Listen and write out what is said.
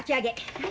はい。